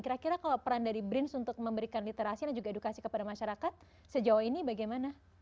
kira kira kalau peran dari brins untuk memberikan literasi dan juga edukasi kepada masyarakat sejauh ini bagaimana